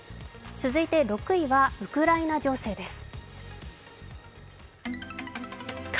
続いて６位はウクライナ情勢です。